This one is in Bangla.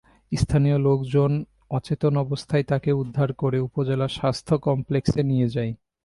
স্থানীয় লোকজন অচেতন অবস্থায় তাঁকে উদ্ধার করে উপজেলা স্বাস্থ্য কমপ্লেক্সে নিয়ে যায়।